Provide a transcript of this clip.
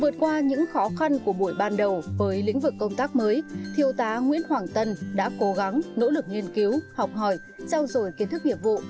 vượt qua những khó khăn của buổi ban đầu với lĩnh vực công tác mới thiêu tá nguyễn hoàng tân đã cố gắng nỗ lực nghiên cứu học hỏi trao dồi kiến thức nghiệp vụ